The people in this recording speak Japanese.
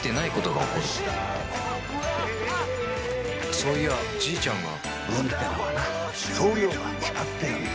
そういやじいちゃんが運ってのはな量が決まってるんだよ。